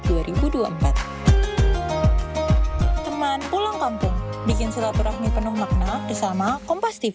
teman pulang kampung bikin silapurahmi penuh makna bersama kompas tv